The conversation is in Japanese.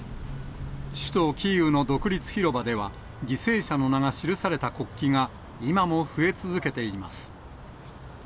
首都キーウの独立広場では、犠牲者の名が記された国旗が今も増え続けています。